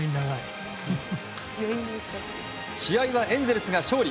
試合はエンゼルスが勝利。